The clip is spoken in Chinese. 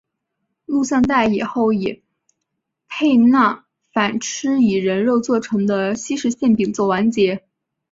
录像带最后以佩芮反吃以人肉做成的西式馅饼作完结。